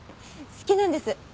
好きなんです。